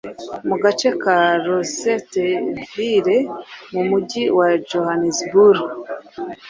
mu gace ka Rosettenville, mu Mujyi wa Johannesburg.